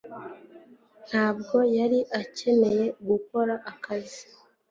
Ntabwo yari akeneye gukora ako kazi